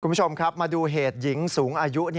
คุณผู้ชมครับมาดูเหตุหญิงสูงอายุ